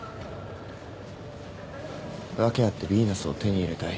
訳あってビーナスを手に入れたい。